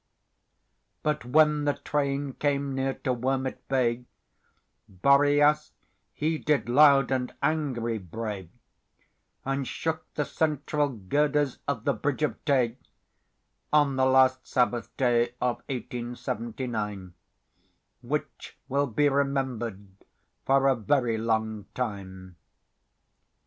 But when the train came near to Wormit Bay, Boreas he did loud and angry bray, And shook the central girders of the Bridge of Tay On the last Sabbath day of 1879, Which will be remember'd for a very long time.